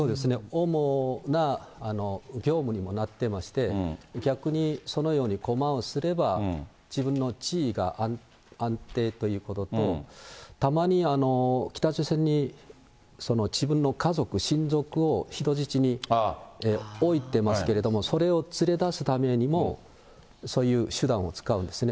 主な業務にもなっていまして、逆にそのようにごまをすれば、自分の地位が安定ということと、たまに北朝鮮に自分の家族、親族を人質に置いてますけれども、それを連れ出すためにも、そういう手段を使うんですね。